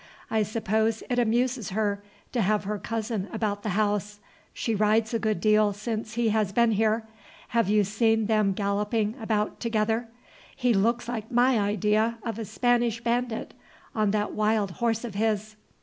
I suppose it amuses her to have her cousin about the house. She rides a good deal since he has been here. Have you seen them galloping about together? He looks like my idea of a Spanish bandit on that wild horse of his."